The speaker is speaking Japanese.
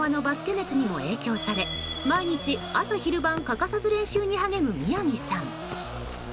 熱にも影響され毎日、朝昼晩欠かさず練習に励む宮城さん。